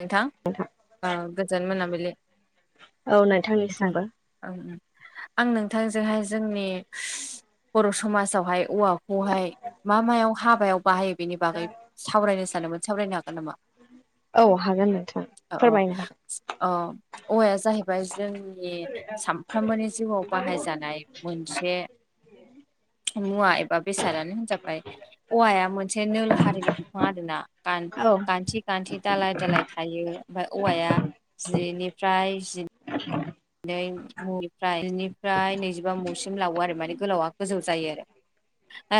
नोंथां, ओं गोजोन मोनाबिलि, औ नोंथां नोंथांनिसिमबो ओं आं नोंथांजोंहाय जोंनि बर' समाजावहाय औवाखौहाय मा मायाव हाबायाव बाहायो बेनि बागै सावरायनो सादोंमोन, सावरायनो हागोन नामा औ हागोन नोंथां औ औ फोरमायनो औ औवाया जाहैबाय जों ए सानफ्रोमबोनि जिउआव बाहायजानाय मोनसे मुआ ए बा बेसादानो होनजाबाय औवाया मोनसे नोलो हारिनि बिफां आरोना हागोन गान-गान्थि गान्थि दालाय दालाय थायो ओमफ्राय औवाया जिनिफ्राय जि [inaudible] नै मुनिफ्राय बेफ्राय नैजिबा मुसिम लावो आरो माने गोलावा गोजौ जायो आरो ओ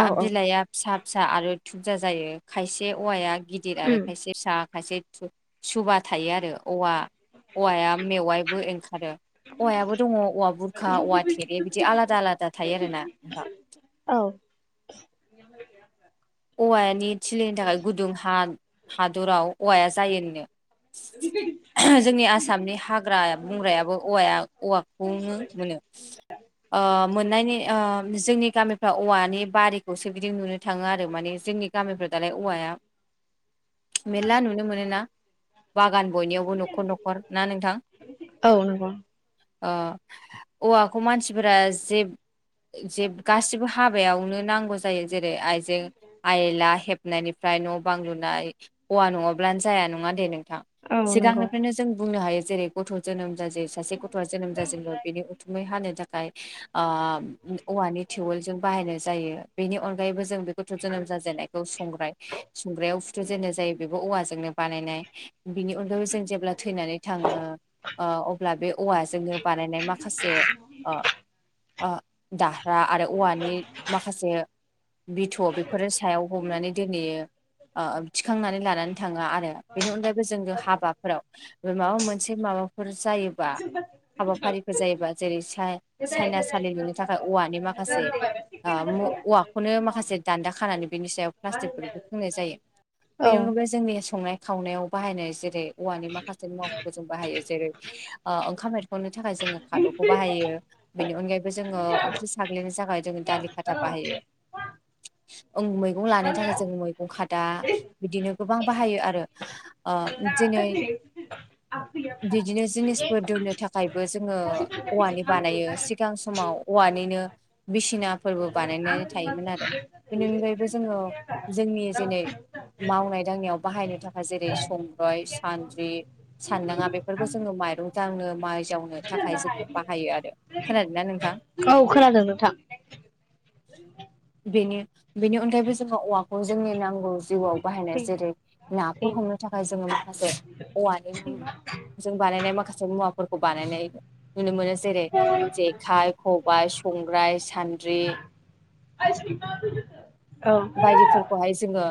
औ उम बिलाया फिसा फिसा आरो थुुबजा जायो खायसे औवाया गिदिर आरो खायसे फिसा खायसे थुब सुबा थायो आरो औवा औवाया मेवाइबो ओंखारो। औवायाबो दङ औवा बुरखा औवा थेरे बिदि आलादा आलादा थायो आरोना नोंथां। औ औवानि थिलिनि थाखाय गुदुं हा हादराव औवाया जायोनो [inaudible] जोंनि आसामनि हाग्रा बंग्रायाबो औवाया औवाखौनो मोनो। ओ मोननायनि आ जोंनि गामिफ्रा औवानि बारिखौसो बिदि नुनो थाङो आ रो माने जोंनि गामिफ्राव दालाय औवाया मेरला नुनो मोनो ना, बागान बयनिावबो न'खर न'खर ना नोंथां? औ नोंगौ। ओ औवाखौ मानसिफोरा जे जे गासिबो हाबायावनो नांगौ जायो। जेरै आइजें आइला हेबनायनिफ्राय न' बां लुनाय हौवा नङाब्लानो जाया नङा दे नोंथां। औ नंगौ सिगांनिफ्रायनो जों बुंनो हायो जेरै गथ' जोनोम जाजे सासे गथ'आ जोनोम जाजेनबा बेनि उ थुमै हानो थाखाय आ औवानि टिउबवेल जों बाहायनाय जायो। बेनि अनगायैबो जों बे गथ' जोनोम जाजेननाय खौ संग्राय, संग्रायाव फुथु जेननो जायो बेबो औवाजोंनो बानायनाय। बिनि अनगायै जों जेब्ला थैनानै थाङो ओ अब्ला बे औवाजोंनो बानायनाय माखासे अ अ दाह्रा आरो औवानि माखासे थ' बेफोरो सायाव हमनानै दोनहैयो। ओ थिखांनानै लानानै थाङा आरो बेनि अनगायैबो जों हाबाफोराव ओ माबा मोनसे माबाफोर जायोबा हाबाफारिफोर जायोबा जेरै साइ-साइनासालि लुनो थाखाय औवानि माखासे आ म औवाखौनो माखासे दान्दा खानानै बेनि सायाव प्लास्टिकफोरबो सोंनाय जायो। औ बेनि अनगायै जोंनि संनाय खावनायाव बाहायनाय जेरै औवानि माखासे मुवाफोरखौ जों बाहायो जेरै आ ओंखाम एरख'नो थाखाय जोङो खादौखौ बाहायो। बेनि अनगायैबो जोङो अओंख्रि साग्लिनो थाखाय जोङो दालि खाथा बाहायो। ओं मैगं लानो थाखाय जों मैगं खादा बिदिनो गोबां बाहायो आरो। ओ दिनै बिदिनो जिनिसफोर दोननो थाखायबो जोङो औवानि बानायो। सिगां समाव औवानिनो बिसिनाफोरबो बानायनानै थायोमोन आरो। बेनि अनगायैबो जोङो जोंनि जेनै मावनाय दांनायाव बाहायनो थाखाय जेरै संग्राय सानद्रि सानदाङा बेफोरखौ जोङो माइरं दांनो माइ जावनो थाखाय जोङो बाहायो आरो। खोनादों ना नोंथां? औ खोनादों नोंथां। बेनो बेनि अनगायैबो जोङो औवाखौ जोंनि नांगौ जिउआव बाहायनाय जेरै नाफोर हमनो थाखाय जोङो माखासे औवानि जों बानायनाय माखासे मुवाफोरखौ बानायनाय नुनो मोनो जेरै जेखाइ खबाइ संग्राय सान्द्रि [unintelligible] औ बायदिफोरखौहाय जोङो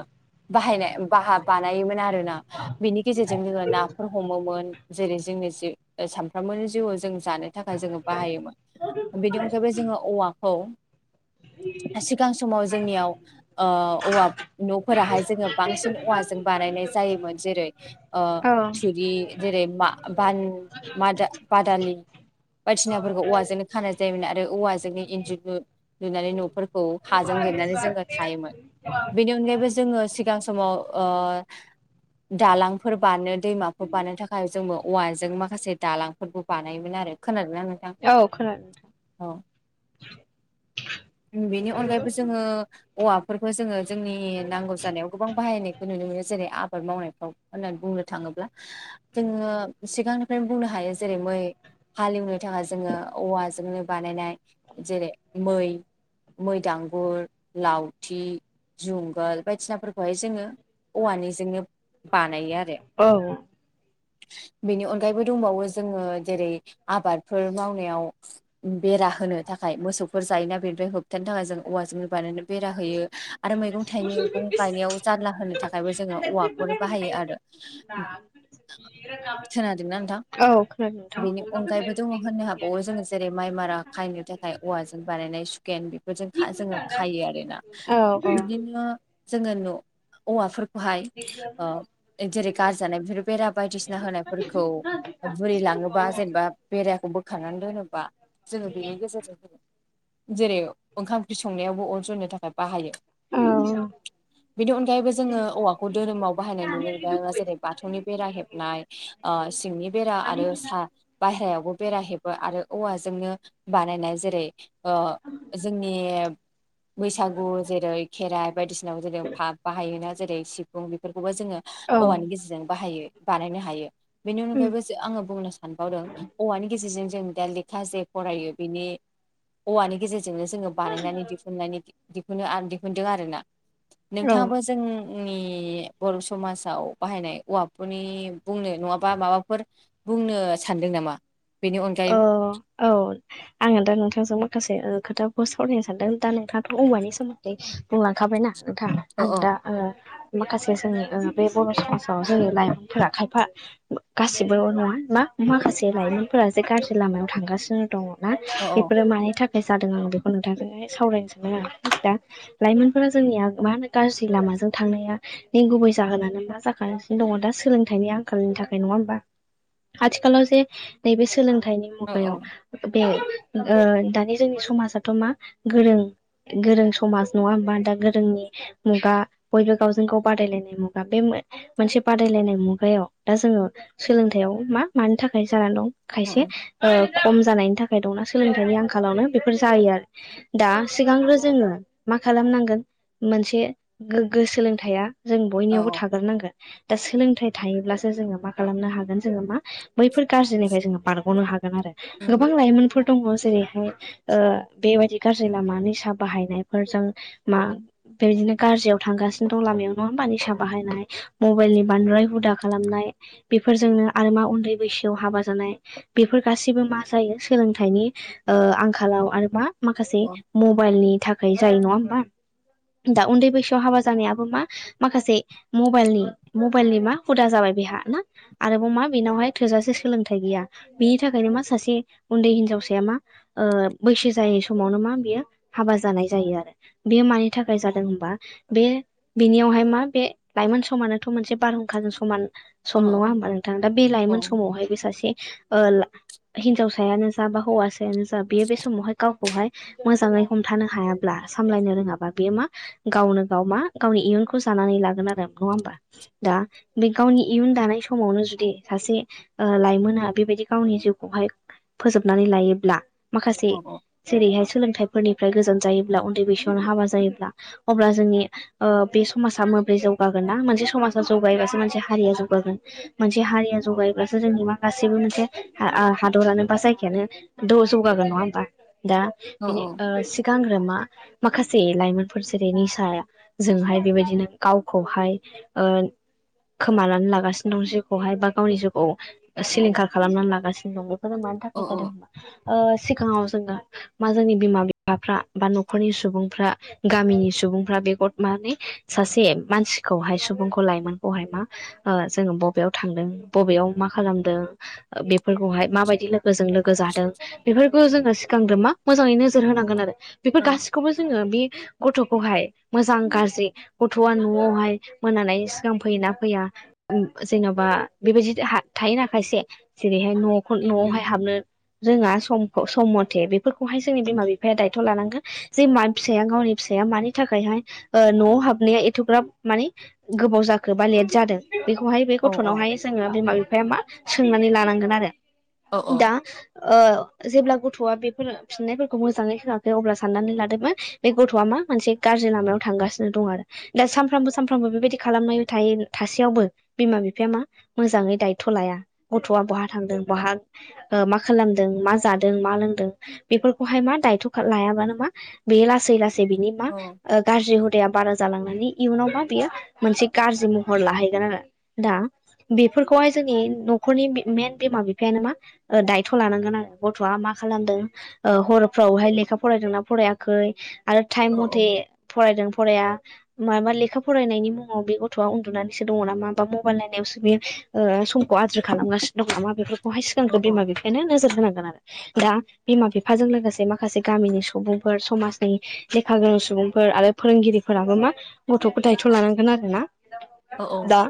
बाहायनाय बाहा बानायोमोन आरोना बेनि गेजेरजों जोङो नाफोर हमोमोन जेरै जोंनि जि सानफ्रोमबोनि जिउआव जों जानो थाखाय जोङो बाहायोमोन। बेनि अनगायैबो जोङो औवाखौ सिगां समाव जोंनियाव औवा न'फोराहाय जोङो बांसिन औवाजों बानायनाय जायोमोन जेरै ओ थुरि जेरै मा-बान-बादालि बायदिसिनाफोरखौ औवाजोंनो खानाय जायोमोन आरो औवाजोंनो इन्जुरु लुनानै न'फोरखौ हाजों लेरनानै जोङो थायोमोन बेनि अनगायैबो जोङो सिगां समाव दालांफोर ब दैमाफोर बारनो थाखाय जोंबो औवाजों माखासे दालां फोरबो बानायोमोन आरो खोनादोंना नोंथां औ खोना औ बेनि अनगायैबो जोङो औवाफोरखौ जोङो जोंनि नांगौ जानायाव गोबां बाहायनायखौ नुनो मोनो जेरै आबाद मावनायफ्राव होननानै बुंनो थाङोब्ला जोङो सिगांनिफ्रायनो बुंनो हायो जेरै मै हालेवनो थाखाय जोङो औवाजोंनो बानायनाय जेरै मै मै दांगुर लावथि जुंगाल बायदिनाफोरखौहाय जोङो औवानिजोंनो बानाय औ बेनि अनगायैबो दंबावो जोङो जेरै आबादफोर मावनायाव बेरा होनो थाखाय मोसौफोर जायोना बेनिफ्राय होबथानो थाखाय जों औवाजोंनो बानाय बेरा होयो आरो मैगं थाइगै मैगं गायनायाव जारला होनो थाखायबो जोङो औवाखौनो बाहायो आरो खोनादोंना नोंथां [unintelligible] औ बेनि अनगायैबो खोनादों दङ होननो हाबावो नोंथां जोङो जेरै माइ मारा खायनो थाखाय औवाजों बानायनाय सुकेन बेफोरजों जोङो खायो आर ना औ औ। बिदिनो जोङो न' औवाफोरखौहाय जेरै गारजानाय बेफोर बेरा बायदिसिना होनायफोरखौ बुरै लाङोबा जेनेबा बेराखौ बोखारांनानै दोनोबा जोङो बेनि गेजेरजों होनो जेरै ओंखाम ओंख्रि संनायावबो अन सरनो थाखाय बाहायो औ बेनि अनगायैबो जोङो औवाखौ धोरोमाव बाहायनाय नुनो मोनबाय जेरै बाथौनि बेरा हेबनाय सिंनि बेरा आरो साहा बायेरायावबो बेरहेबो आरो औवाजोंनो बानायनाय जेरै जोंनि बैसागु जेरै खेराइ बायदिसिनाव जेर फा बाहायोना जेरै सिफुं बेफोरखौबो जोङो औवानि गेजेरजों बाहायो बानायनो हायो बेनि अनगायैबो आङो बुंनो सानबावदों औवानि गेजेरजों जों दा लेखा जे फरायो बिनि औवानि गेजेरजोंनो जोङो बानायनानै दिहुननानै दिहुननो दिहुनदों आरो ना औ नोंथाङाबो जोंनि बर' समाजाव बाहायनाय औवाफोरनि बुंनो नङाबा माबाफोर बुंनो सानदों नामा बेनि अनगायै अ औ आङो दा नोंथांजों माखासे खोथाखौ सावरायनो सानदों दा नोंथाथ' औमानि सोमोन्दै बुंलांखाबायनाा नोंथां अ आं दा माखासे जोंनि बे बर' समाजाव जोंङनि लाइमोनफोरा। खायफा गासिबो नङा बा माखासे लाइमोनफोरा से गाज्रि लामायाव थांगासिनो दङना। अ बेफोरो मानि थाखाय? बे जादों आं बेखौ नोंथांहाय सावरायनोसोममोन आं दा लाइमोनफोरा जोंनिया मा होनो गाज्रि लामाजों थांनाया न गुबै जाहोनानो मा जागासिनो दङ दा सोलोंथाइनि आंखालनि थाखाय नङा होमबा? आथिखालाव जे नैबे सोलोंथाइनि अ मुगायाव बे दानि जोंनि समाजाथ' मा गोरों गोरों समाज नङा होमबा दा गोरोंनि मुगा बयबो गावजों गाव बादायलायनाय मुगा बे मोनसे बादायलायनाय मुगायाव दा जोङो सोलोंथायाइयाव मा मानि थाखाय जानानै दं अ खायसे खम जानायनि थाखाय दंना सोलोंथाइनि आंखालावनो बेफोर जायो आरो दा सिगांग्रो जोङो मा खालामनांगोन मोनसे गोग्गो सोलोंथाइया जों अ बयनियावबो थाग्रोनांगोन दा सोलोंथाइ थायोब्लासो जोङो मा खालामनो हागोन जोङो मा बैफोर गाज्रिनिफ्राय जोङो बारग'नो हागोन। आरो गोबां लाइमोन दङ जेरैहाय बेबायाददि गाज्रि लामा निसा बाहायनायफोरजों मा बेबायदिनो गाज्रियाव थांगासिनो दं लामायाव नङ होनबा? निसा बाहायनानै मबाइलनि बांद्राय हुदा खालामनाय बेफोरजोंनो आरो मा उन्दै बैसोआव हाबा जानाय बेफोर गाैबो मा जायो सोलोंथाइनि आंखालाव आरो मा माखासे अ मबाइलनि थाखाय जायो नङा हबा? दा उन्दै बैसोआव हाबा जानायाबो मा माखासे मबाइलनि मबाइलनि मा हुदा जाबाय बेहा ना? आरोबाव मा बेनावहाय थोजासे सोलोंथाइ गैया? बिनि थाखायनो मा सासे उन्दै हिनजावसाया मा बैसो जायै समावनो मा बियो हाबा जानाय जायो? आरो बेयो मानि थाखाय जादों होनबा? बे बिनियावहाय मा बे लाइमोन समानोथ' मोनसे बारहुंखाजों समान सम नङा होमबा नोंथां दा बे अ लाइमोन समावहायबो सासे ओ हिनजावसायानो जा बा हौवासायानो जा बेयो बे समावहाय गावखौहाय मोजाङै हमथानो हायाब्ला? सामलायनो रोङाबा बेयो मा? गावनो गाव मा गावनि इयुनखौ जानानै लागोन आरो नङा होमबा। दा बे गावनि इयुन दानाय समावनो जुदि सासे लाइमोना बेबायदि गावनि जिउखौहाय फोजोबनानै लायोब्ला माखासे अ जेरैहाय सोलोंथाइफोरनिफ्राय गोजान जायोब्ला उन्दै बैसोआवनो हाबा जायोब्ला अब्ला जोंनि बे समाजा मोब्रै जौगागोन ना मोनसे समाजा जौगायोबासो मोनसे हारिया जौगागोन? मोनसे हारिया जगायोब्लासो जोंनि माखासे गाससिबो मोनसे हादरानो बा जायखिायानो द जौगागोन नङा होमबा? दा अ बिनि ओ सिगांग्रोमा माखासे लाइमोनफोर जेरै निस जोंहाय बेबायदिनो गावखौहाय ओ खोमानानै लागासिनो दं। जिउखौ हाय बा गावनि जिउखौ सिलिंखार खालामनानै लागासिनो दं। बेफोरो मानि अ थाखाय जादों होनबा सिगाङाव जोङो मा जोंनि बिमा बिफाफ्रा बा न'खरनि सुबुंफ्रा गामिनि सुबुंफ्रा बे माने सासे मानसिखौहाय सुबुंखौ लाइमोनखौहाय मा? जोङो बबेयाव थांदों बबेयाव मा खालामदों? बेफोरखौहाय माबायदि लोगोजों लोगो जादों? बेफोरखौ जोङो सिगांद्र मा मोजाङै नोजोर होनांगोन आरो बेफोर अ गासिखौबो जोङो बे गथ'खौहाय मोजां गाज्रि गथ'आ न'आवहाय मोनानाय सिगां फैयोना फैया? जेन'बा बेबायदि थायो ना खायसे जेरैहाय न' न'आवहाय हाबनो जोंङहा समखौ सम मथे बेफोरखौहाय जोंनि बिमा बिफाया दायथ' लानांगोन। जे मा फिसाया गावनि फिसाया मानि थाखायहाय न'आव हाबनाया एथ'ग्राब माने गोबाव जाखो बा लेट जादों? बेखौहाय बे अ गथ'नावहाय जोङो बिमा बिफाया मा सोंनानै लानांगोन आरो अ दा ओ जेब्ला गथ'आ बेफोरो फिननायफोरखौ मोजाङै होआखै अब्ला साननानै लादोंमोन बे गथ'आ मा मोनसे गाज्रि लामायाव थांगासिनो दं आरो। दा सानफ्रामबो सानफ्रामबो बेबायदि खालामनाय थायो थासेयावबो बिमा बिफाया मा मोजाङै दाय गथ' लाया गथ'आ बहा थांदों बहा मा खालामदों मा जादों मा लोंदों। बेफोरखौहाय मा दायथ' लायाबानो मा बेयो लासै लासै बिनि मा? गाज्रि हुदाया बारा जालांनानै इयुनावबा बियो मोनसे गाज्रि महर लाहैगोन आरो। दा बेफोरखौहाय जोंनि न'खरनि मेन बिमा बिफायानोामा? दायथ' लानांगोन आरो गथ'आ मा खालामदों? हरफ्रावहाय लेखा फरायदोंना फरायाखै आरो अ टाइम मथे फरायदों फराया माबा लेखा फरायनायनि मुङाव बे गथ'आ उन्दुनानैसो दङ नामा बा मबाइल नायनायावसो बेयो समखौ आद्रि खालामगासिनो दं नामा बेफोरखौहाय सिगांग्रोन अ अ बिमा बिफायनो नोजोर होनांगोन आरो। दा बिमा बिफाजों लोगोसे माखासे गामिनि सुबुंफोर समाजनि लेखा गोरों सुबुंफोर आरो फोरोंगिरिफोराबो मा गथ'खौ दायथ' लानांगोन आरो ना। दा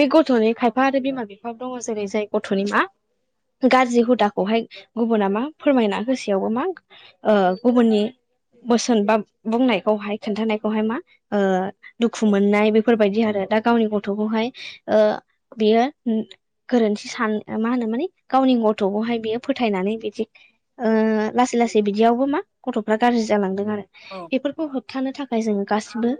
बे गथ'नि खायफा आरो बिमा बिफा दङ जेरै जाय गथ'नि मानो गाज्रि हुदाखौहाय गुबुना मा फोरमायना होसेयावबो मा ओ गुबुननि बोसोन बा बुंनायखौहाय खोनन्थानायखौहाय मा ओ दुखु मोननाय बेफोरबायदि आरो दा गावनि गथ'खौहाय ओ बियो गोरोन्थि सान मा होनो माने गावनि गथ'खौहाय बियो फोथायनानै बिदि ओ लासै लासै बिदियावबो मा गथ'फ्रा गाज्रि जालांदों आरो। बेफोरखौ हो होबथानो थाखाय जों गासिबो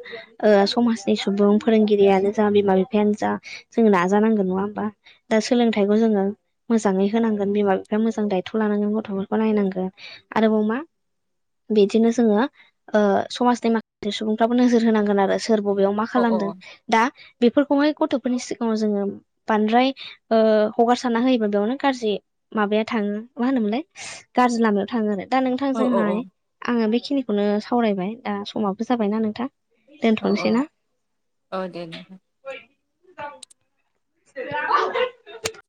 ओ समाजनि सुबुं फोरोंगिरियानो जा बिमा बिफायानो जा जों नाजानांगोन नङा होमबा? दा सोलोंथाइखौ जोङो मोजाङै होनांगोन बिमा बिफाया मोजां दायथ' लानांगोन गथ'फोरखौ नायनांगोन आरोबाव मा बिदिनो जोङो समाजनि माखासे सुबुंफ्राबो नोजोर होनांगोन आरो। सोर बबेयाव मा खालामदों दा बेफोरखौहाय गथ'फोरनि सिगाङाव जोङो बांद्राय ओ हगारसारना होयोबा बेयावनो गाज्रि माबाया थाङो मा होनोमोनलाय? गाज्रि लामायाव थाङो आरो। दा अ नोंथांजोंहाय आङो बेखिनिखौनो सावरायबाय दा समाबो जाबायना नोंथां? औ औ दोनथ'नोसै ना ओ दे दे। [unintelligible]